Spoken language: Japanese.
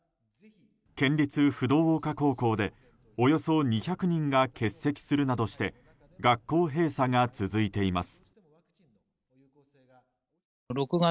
県立不動岡高校でおよそ２００人が欠席するなどして学校閉鎖が続いています。